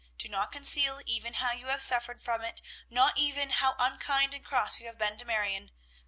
Do not conceal even how you have suffered from it, not even how unkind and cross you have been to Marion.